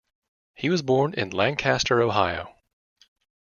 He was born in Lancaster, Ohio.